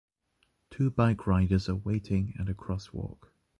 Two bike riders are waiting at a crosswalk.